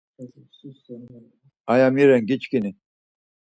Aya mi ren giçkini?